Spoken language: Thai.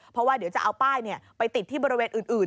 เพราะว่าเดี๋ยวจะเอาป้ายไปติดที่บริเวณอื่น